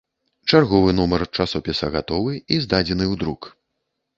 Чарговы нумар часопіса гатовы і здадзены ў друк.